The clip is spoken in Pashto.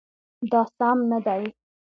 دا سم نه دی